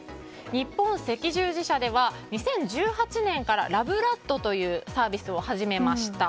日本赤十字社では２０１８年からラブラッドというサービスを始めました。